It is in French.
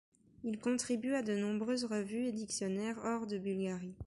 Il contribue à de nombreuses revues et dictionnaires hors de Bulgarie.